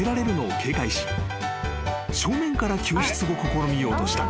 ［正面から救出を試みようとした］